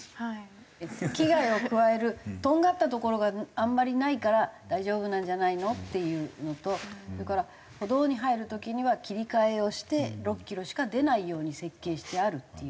危害を加えるとんがったところがあんまりないから大丈夫なんじゃないの？っていうのとそれから歩道に入る時には切り替えをして６キロしか出ないように設計してあるっていう事。